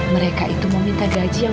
mereka itu mau minta gaji yang